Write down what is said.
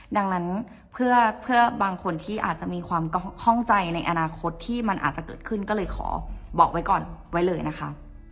ดังนั้นเพื่อบางคนที่อาจจะมีความคล่องใจในอนาคตที่มันอาจจะเกิดขึ้นก็เลยขอบอกไว้ก่อนไว้เลยนะคะ